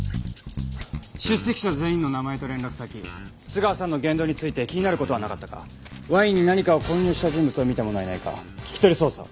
出席者全員の名前と連絡先津川さんの言動について気になる事はなかったかワインに何かを混入した人物を見た者はいないか聞き取り捜査を。